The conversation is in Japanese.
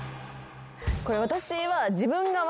これ私は。